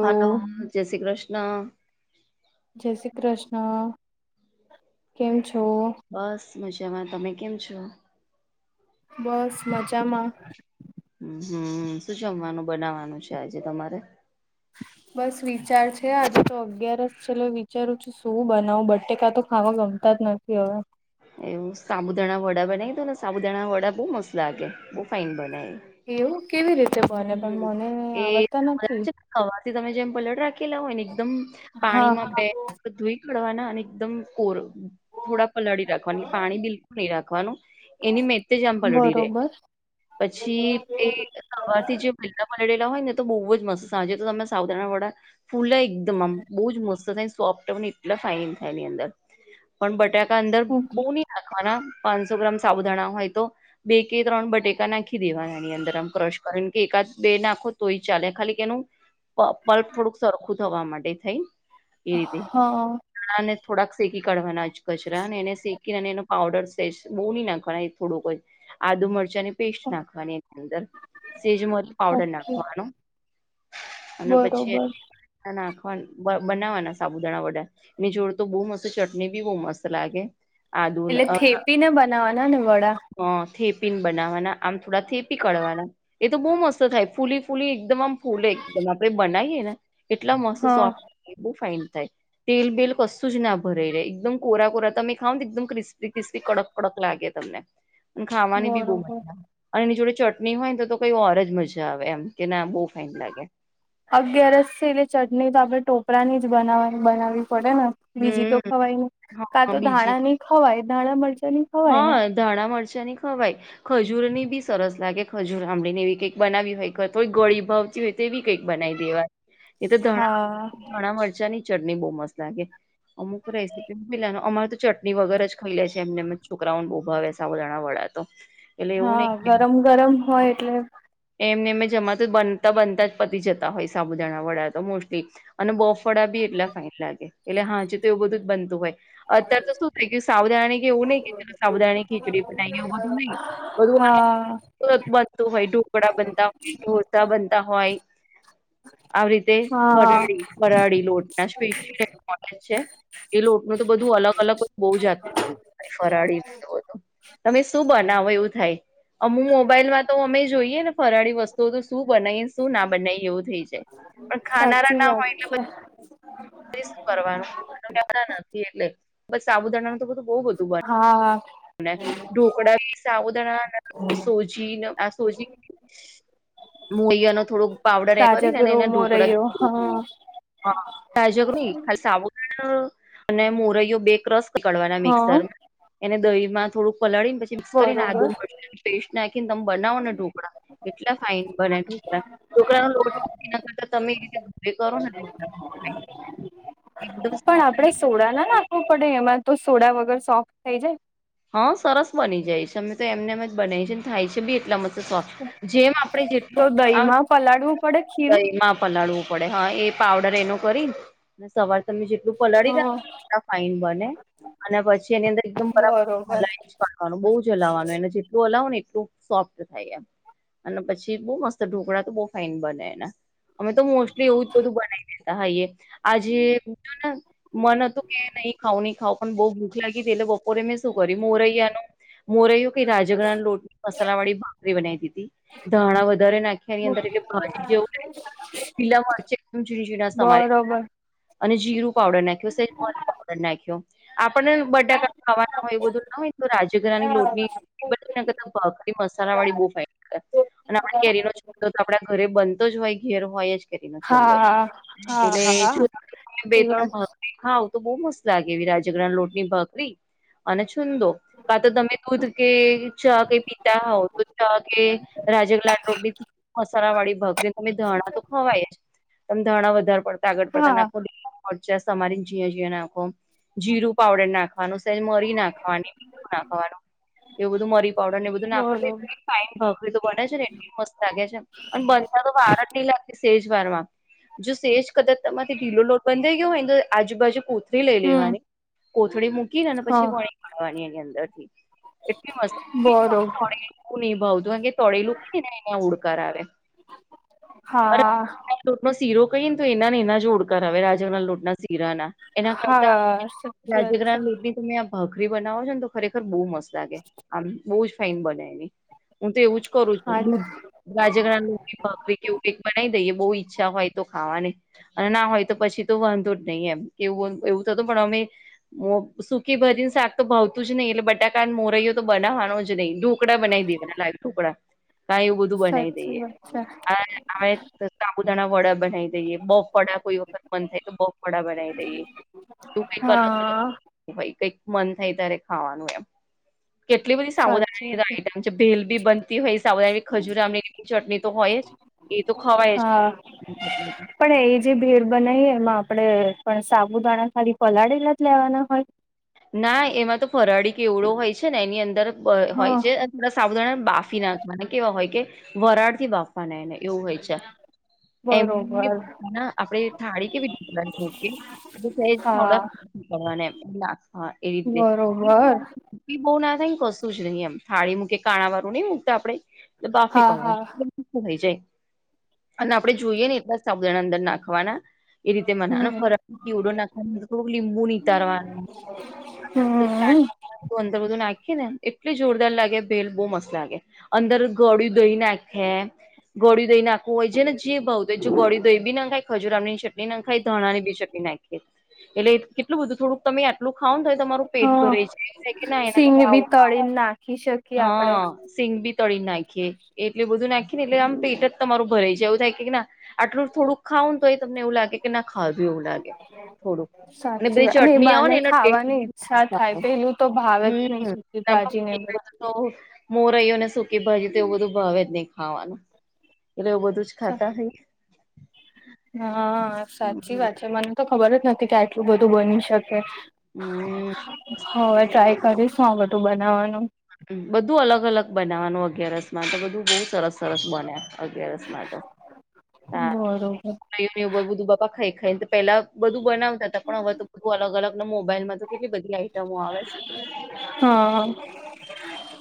Hello જય શ્રી કૃષ્ણ જય શ્રી કૃષ્ણ કેમ છો? બસ મજામાં તમે કેમ છો? બસ મજામાં હમ શું જમવાનું બનાવવાનું છે આજે તમારે? બસ વિચાર છે આજે તો અગિયાર જ છેલો વિચારું છું? શું બનાવું? બટેકા તો ખાવા ગમતા જ નથી હવે એવું સાબુદાણા વડા બનાવી તો ને સાબુદાણા વડા બહુ મસ્ત લાગે બહુ ફાઇન એવું કેવી રીતે? બને પણ હમ મને આવડતા નથી સવાર થી તમે જેમ પલટ રાખીલા હોય ને એકદમ હા પાણીમાં બે ધોઈ ખડવાના અને એકદમ કોર થોડા પલાળી રાખવાની પાણી બિલકુલ નહીં રાખવાનું એની મે તે જ આમ પલળી રહેે. બરોબર પછી તે? સવારથી જે મિલા પલળેલા હોય ને તો બહુ જ મસ્ત સાંજે તો તમે સાવધ વડા ફૂલા એકદમ આમ બહુ જ મસ્ત થાય સોફ્ટ એટલા ફાાઈન થાય એની અંદર પણ બટાકા અંદર ઓકે બહુ ન નાખવાના પાંચસો ગ્રામ સાબુદાણા હોય તો બે કે ત્રણ બટેકા નાખી દેવાના એની અંદર આમ, કે એકાદ બે નાખો તોય ચાલે ખાલી કે એનું પ પલ્પ થોડુંક સરખું થવા માટે થઈ એ રીતે, હા ણા ને થોડાક શેકી કાઢવાના જ કચરા અને એને શેકીને અને એનો પાવડર સ બોની નાખ થોડુંક આદુ મરચા ની પેસ્ટ નાખવાની એની અંદર, સેજમત પાવડર ઓકે નાખવાનો, અને પછી બરોબર ના નાખવા બનાવાના સાબુદાણા વડા એની જોડ તો બહુ મસ્ત ચટણી બી બહુ મસ્ત લાગે. આદુ એટલે થેપી ને બનાવવાના ને વડા? હ થેપી ને બનાવવાના આમ થોડા થેપી કાઢવાના એ તો બહુ મસ્ત થાય ફૂલી ફૂલી એકદમ આમ ફૂલે એકદમ આપણેે બનાવીએ ને એટલા મસ્ત હા સોફ્ટ બહ ફાઇન થાય તેલ બેલ કશું જ ના ભરાઈ રે એકદમ કોરા કોરા તમે ખાાવ ને એકદમ ક્રિસ્ તસ તિસ્રી કડક કડક લાગે તમને, ખાવાની બી બહુ બરોબર મજા આવે અને એની જોડે ચટણી હોય ને તો કઈ ઓરજ મજા આવે એમ કે ના બહુ ફાઈઇન લાગ્યા અગિયારસ છે એટલે ચટણી તો આપડણે ટોપરાની જ બનાવવા બનાવવી પડે ને બીજી હમ તો ખવાય નહી કા હા તો બીજી ધાણા નહી ખવાય ધાણા મળજા ની ખવાય હા ને ધાણા મરચાંની ખવાય ખજૂર ની બી સરસ લાગે ખજૂર આંબળીને એવી કઈક બનાવી હોય ગળી ભાવ હોય તેવી કંઈક બનાવી દેવા એ તો ધણા હા ઘણા મરચાં ની ચટણી બહુ મસ્ત લાગે. અમુક રેસીપી મિલા અમારે તો ચટણી વગર જ ખાઈ લે છે એમને જ શુકરાઉન ઉભાવે સવ જણા વડા તો, એટલે એવું હા નહી કે ગરમ ગરમ હોય એટલે! એમને એમે જમા તો બનતા બનતા જ પતી જતા હોય સાબુદાણા વડા તો મોસ્ટલી અને બફ ફળ બી એટલા ફાન લાગે એટલે હા જે તો એવું બધું જ બનતું હોય અત્યારે તો સુું થે કે સાવધાને કેવું નને સાબુદાણાની ખીચડી બનાવી એવું બધું નહી હા બધું બનતું હોય ઢુકળા બ ઢોસા બનતા હોય આવી રીતે તે હા ફરાળ ફરાળ લોટના સ્પેશિયલ મળે છે એ લોટ નુ તો બધું અલગ અલગ હો બહુ જાત બ ફરાડી [unintelligible] તમે શું બનાવો એવું થાય અમુક મોબાઈલમાં તો અમે જોઈએ ને ફરાળી વસ્તુઓ તો શું બનાવીને શું ના બનાવીએ એવું થઈ જાય પણ ખાનારા સાચી ના વાત હોય એટલે છે બધા શું કરવાનું કે નથી એટલે બસ સાબુદાડાનું તો બધું બહ બધું બને હા ઢોકળા ભી ઉદારણ તરીકે સોજી આ સોજી મોઈયાનો થોડોક પાવડર એ કરીને રાજગરો એને ઢોકળા મોરૈયો હા હા [unintelligible] અને મોરૈયો બે ક્રસ પકડવાના હા મિક્સરમાં એને દહી માં થોડું પલાળી ને પછી મિક્સ કરીને આદુ બરોબર મરચા પેસ્ટ નાખીને તમે બનાવો ને ઢોકળા એટલા ફાાઈન બને ટઢોકળા ના લોટ મૂકીને [unintelligible] [unintelligible] હુ પડે એમાં તો સોડા વગર સોફ્ટ થાય જાય હા સરસ બની જાય છે અમે તો એમને એમ જ બનાવી છે ને થાય છે બી એટલા મસ્ત જેમ આપડે જેટલું પલાડુ દહીં મા પલાળવું પડે હા એ પાવડર એનો કરીને સવાર તમે જેટલું પલાળી હા રાખે એટલો ફાાઈન બને અને પછી એની અંદર એકદમ બરાબર બરોબર ફુલાય છેં વાનું બહુ જ હલાવાનું એને જેટલું હલાવનું ને એટલું સોફ્ટ થાય એમ અને પછી બહુ મસ્ત ઢોકળા તો બહ ફાાઈન બને એના અમે તો મોસ્ટલી એવું જ બધું બનાવી લેતા હા આજે હ ને મન હતું કે નહી ખાવુ નહીં ખાવ પણ બહુ ભૂખ લાગી હતી એટલે બપોરે મેં શું કર્યું મોરૈયા નો મોર્યું કે રાજગરનો લોટ મસાલા વાળી ભાખરી બનાવી દીધી ધાણા વધારે નાખ્યાની અંદર એટલે [unintelligible] પીલા મળચમ ઝીણા ઝીણા સમારેલ હતા બરોબર અને જીરું પાવડર નાખ્યો સેજરી પાવડર નાખ્યો આપને બ બટાકા ખવાના હોય એ બધું ના હોય તો રાજઘરાની લોટ ની હા ભાખરી મસાલા વાળી બો ફાઈન કરે અને આપડે કેરી નો ચૂંદો તો આપડા ઘરે બનતો જ હોય ઘેર હોય જ કરી નો ચૂંદો હા હા એ એટલે વાત [unintelligible] હા તો બહુ મસ્ત લાગે એવી રાજરગરા લોટની ભાકરી અને ચૂંદો કા તો તમે દૂધ કે ચા કઈ પીતા હોવ તો ચા કે રાજગલાલ રોડ ની મસાલાવાડી ભાખરી તમે ધાણા તો ખવાય જ તમે ધાણા વધારે પડતા આગળ પડતા હા નાખો મરચા સમારી ઝીણું ઝીણું નાખો જીરુ પાવડર નાખો વાનું સમરી નાખવાની મીઠુ ના ખવાનું એવું બધું મરી પાવડરને એ બધું બરોબર નાખવા ફાઇન ભાખરી તો બને છે ને એટલી મસ્ત લાગે છે અને બનતા તો વાર જ નહી લાગે સેજ વારમાં જો સેજ કદર તમારીથી ઢીલો લોટ બંધઈ ગયો હોયને તો આજુબજુૂ તે લઈ હમ લેવાની કોથળી મૂકીને હા પછી વણી કાઢવાની એની અંદર થી બરોબર [unintelligible] હા લોટનો સીરો કઈને તો એના ને એના જો ઓળકાર કરાવે રાજગરના ના લોટના સીરા ના એના કરતા હા સાચી વાત છે રાજગ્રાન તમે આ ભખરી બનાવો છો ને તો ખરેખર બહુ મસ્ત લાગે આમ બહુ જ ફાાઈન બનેવી હું તો એવું જ કરું છું હાલે દૂધ બાજરાનું ભાખરી એવુકેવું બનાવી દઈએ બો ઈચ્છા હોય તો ખાવાને અને ના હોય તો પછી તો વાંધો જ નહી એમ કે એવું એવું થતું પણ અમે મો સુકી ભાજી ને શાક તો ભાવતું જ નહી એટલે બટાકા મોરૈયો તો બનાવવાનો જ નઈં ઢોકડા બનાવી દેવા લાગ [unintelligible] સાચી વાત છે હ સાબુદાણા વડા બનાવી ઈએ બફળા કોઈ વખત મન થાય તો બફળા બનાવી દઈએ તું કઈક અલગ હા ભાઈ કઈક મન થાય ત્યારે ખાવાનું એમ કેટલી બધી સાચી વાત સાવુધાન મ ભેલ બી બનતી હોય સાવધા ખજૂર ચટણી તો હોય જ એ તો ખવાય જ હા પણ એ જે ભેર બનાવી એમાં આપડે પણ સાબુદાણા ખાલી પલાળેલા જ લેવાના હોય ના એમાં તો ફરાળી કેવડો હોય છે ને એની અંદર હોય હા છે. થડા સાબુદાણા બાફી નાખવા કેવા હોય કે વરાળથી બાફવાના એને એવું હોય છે એમ બરોબર આપણે થાળી કેવી ઢોકળની હા થડાનેા એવી રીતે બરોબર [unintelligible] બહુ ના થાયને કશું જ નહી એમ થાળી મૂકે કાણા વાળું નહિ મૂકતા આપડે તો બાફી હા હા કાડવાનુ [unintelligible] થઈ જાય અને આપડે જોઈએને એટલા સાબુદાણા અંદર નાખવાના એ રીતે હમ મનેનો ફરક દીવડો નાખવા થોડક લીંબુ નીતારવા [unintelligible] હમ ચ અંદર બધું નાખી ને એટલી જોરદાર લાગે ભેલ બહુ મસ્ત લાગે અંદર ગળું દહી નાખે ગળી દહી નાખવું હોય છેને જે ભાવુ હો જો ગોળી દહીી નાખાય ખજુરામ ની ચટણી નાખાય ધણાની બી ચટણી વિ એટલે કેટલું બધું થોડુંક તમે આટલું ખાવ થ તમારું પેટ હા ભરે છે કે ના એના સિંગ બી આવું તળીને નાખી શકીએ આપડે હા સિંગ બી તળી નાખીએ એટું બધું નાખી ને એટલે આમ પેટ જ તમારું ભરાય છેાય એવું થાય કેને આટલું થોડુંક ખાવ તો એ તમને એવું લાગે કે ના ખાવધું એવું લાગે થોડું અને સાચી બધી વાત એ ચટણી આવ બાને ને એના ખાવાની ઈચ્છા થાય પેલું તો ભાવે જ હમ ઈ સુ આમ ભાજી ને એ બધું તો મોરઓને સુકી ભાજી તો એવું બધું ભાવે જ નહીિ ખાવાનું એટલેવું બધું જ ખાતા હોય હા સાચી હમ વાત છે મને તો ખબર જ નથી કે આટલું બધું બની શકે હમ હવે ટ્રાય કરીશું આ બધું બનાવવાનું બધું અલગ અલગ બનાવવાનું અગયાર રસમાન તો બધું બહુ સરસ સરસ બન્યા અગિયારસ તો બરોબર ર બધું બાપા ખાઈ ખાઈ ને તો પેલા બધું બનાવતા હતા પણ હવે તો બધું અલગ અલગ ના મોબાઈલમાં કેટલી બધી આઈટમો આવે છે હા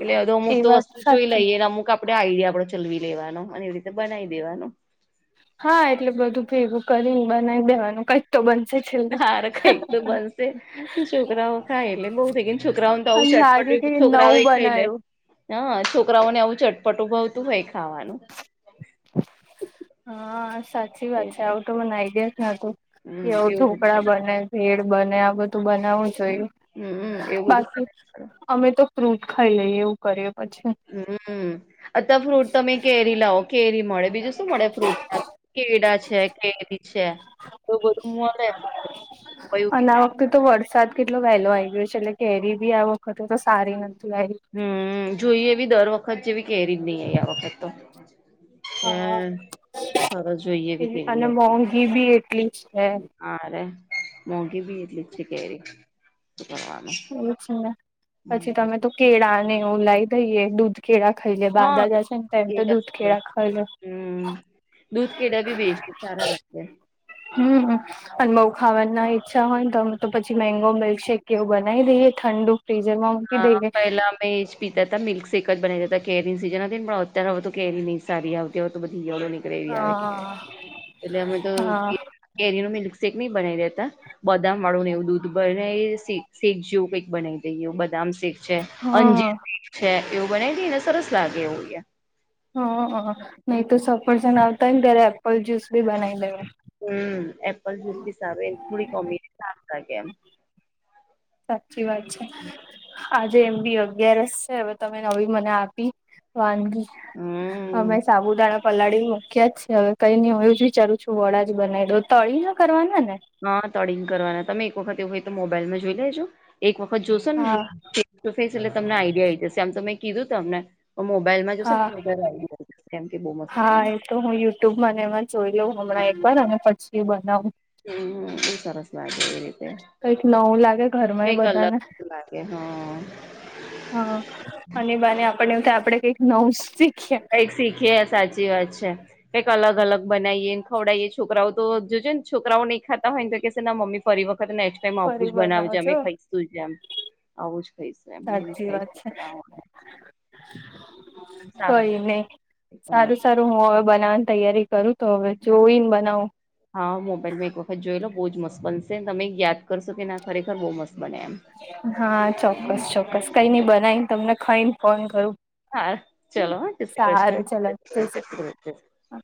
એટલે હધું અમુક એ તો વાત વસ્તુ જોઈ સાચી લઈએ ને અમુક આપ આપ આઈડ આપડો ચલવી લેવાનો અને એવી રીતે બનાવી દેવાનું હા એટલે બધું ભેગું કરીને બનાવી દેવાનું કઈ તો બ હાર કઈક તો બનશે છોકરાઓ ખાય એટલે બહુ થઈ કે છોકરાઓ બઉું અને લાગે કે ચટપટી છોકરા આવે નવું ખાઈ લે બનાવ્યું હ છોકરાઓને આવું ચટપટ ઉભવતું હોય ખાવાનું હા સાચી વાત છે એટલે આવું તો મને આઈ ગયા જ ન હતું હમ કેવું એવું બધું ઢોકળા બને ભેડ બને આ બધું બનાવું જોઈએ હમ એવું બધું બાકી બને અમે તો ફ્રૂટ ખાઈ લઈએ એવું કર અચ્છા હમ અત ફ્રૂટ તમે કેરી લાવો કેરી મળે બીજું શું મળે ફ્રૂટ કેડા છે કેરી છે એ બધું મળે ફ્રૂટ કયું ક અને આ ના વખતે તો વરસાદ કેટલો વહેલો આવી ગયો છે એટલે કેરી બી આ વખતે તો સારી નથીતી લરી હમ જોઈએ એ બ દર વખત જેવી કે ર જ નહી એ આ વખત તો હા હમ સરસ જોઈએવી એવી કેલી અને આપ મોંઘી બી એટલી છે એ હરે મુઘી બીટ લ છે કેરીવા એ છે ને પછી તમે તો કેળાને એવું લાવી દઈએ દૂધ કેળા ખાઈ લે હા બાદા જ છે ને તેમ તો કેળા દૂધ સારું. કેળા ખાઈ લે. કેડાાવેસ્ટ સારા લાગ્યા. હમ અને બઉ ખાવાના ઈચ્છા હોય ને તો તો પછી મેંગો મિલ્કશેેક કેવું બનાવી દઈએ ઠંડુ ફ્રીઝરમાં મુકિ હા અ એલા મેં એ જ પીતા હતા મિલ્ક શેક જ બનાવીતા એજ પીતાહતા કેરીની સીઝન હતી પણ અત્યારે હવે તો કે નહી સારી આવતી હોય તો બધી ઈયળો નીકડે ગ્રેવી આવે હા. એટલે અમે તો કેરી નુ મિલ્કશેેક નહી બનાવી દેતા. બદામ વાળું ને એવું દૂધ બને શેક જેવું કઈક બનાવી દઈ. બદામ શેખ છે હા અંજીર શેખ છે એવું બનાવી દઈને સરસ લાગે એવું હ હ નહી તો સફરસન આવતા હો ને ત્યારે એપલ જ્યુસ બી બનાવી દેવાય. હમ એપલ જ્યુસ બી સાર થોડી કોમી સાફ લાગે એમ સાચી વાત છે આજે એમ બી અગિયારસ છે હવે તમે નવી મને આપી વાનગી હમ અમે સાબુદાણા પલાળી મૂક્યા જ છે હવે કઈ નઈ હું જ વિચારું છું વડા જ બનાવી તો તળી ના કરવાના ને હા તડિને કરવાના તમે એક વખત એવું હોય તો મોબાઈલમાં જોઈ લેજો એક વખત જોશો ને હા એકસ એટલે તમને આઈડિયા આ આવીઈ જશે આમ તો મેં કીધું ત તમને મોબાઈલમાં જોશે હા લ કેમ કે બહ મસ્ત બને યુટુબએમાબના એમાં જોઈ લઉં હમણાં એક વાર અને પછી બનાવું. હમ ત સરસ લાગે. કંઈક નવું લાગે ઘરમાં એ કઈક બધાને અલગ લાગે હા હા અને બાને આપ એું થ આપડે કઈક નવુ કઈક શીખી સાચી વાત છે. કંઈ અલ અલગ બનાવીએ ને ખવડાવઈએ છોકરાઓ તો જોજ ને છોકરાઓ નહીં ખાતા હોય ને તો કેહે ના મમ્મી ફરી વખત ને એમ ફરી આવું જ બનાવજ બનાવજો અમે ખાઈશુંમ આવું જ ખાઈશું એમ એું ખાઈશ સારું કોઈ નહી લાગે અલગ સારું લાગે. સારું હું બનાવવાની તૈયારી કરું તો હવે જોઈને બનાવું. હા મોબાઈલમાં એક વખત જોયેલો બહુ જ મસ્ત બનશે તમે યાદ કરશો કે ના ખરેખર બહુ મસ્ત બને એમ હા ચોક્કસ હમ ચોક્કસ કઈ નઈ બનાય તમને ખઈ ફોન કરું હા ચલો હ જ શ્રી કૃષ્ણ જ્રી કૃષ્ણ જ્રી કૃષ્ણ હા